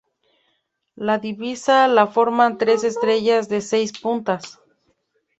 La divisa la forman tres estrellas de seis puntas.